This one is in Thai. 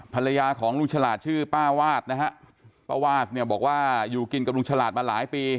ภรรยาของลุงฉลาดชื่อป้าวาดนะฮะป้าวาดเนี่ยบอกว่าอยู่กินกับลุงฉลาดมาหลายปี